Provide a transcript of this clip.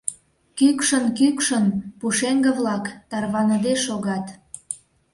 Кӱкшын-кӱкшын пушеҥге-влак тарваныде шогат.